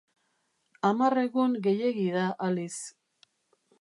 Hamar egun gehiegi da, Alice.